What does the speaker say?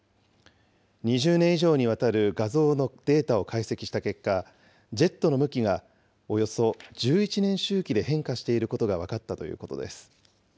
２０年以上にわたる画像のデータを解析した結果、ジェットの向きがおよそ１１年周期で変化していることが分かったということです。